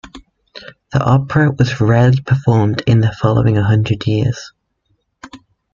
The opera was rarely performed in the following hundred years.